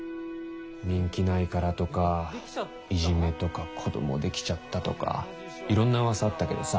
人気ないからとかいじめとか子どもできちゃったとかいろんな噂あったけどさ。